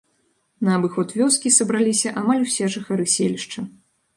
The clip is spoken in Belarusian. На абыход вёскі сабраліся амаль усе жыхары селішча.